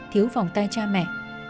thiếu phòng tay cha mẹ